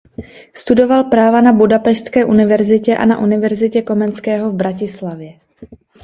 Studoval práva na Budapešťské univerzitě a na Univerzitě Komenského v Bratislavě.